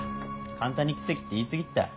簡単に奇跡って言い過ぎったい。